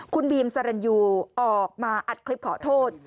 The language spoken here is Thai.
คุณบีมสรรยูออกมาอัดคลิปขอโทษ